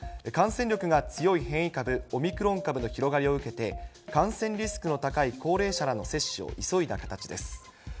感染力が強い変異株、オミクロン株の広がりを受けて、感染リスクの高い高齢者らの接種を急いだ形です。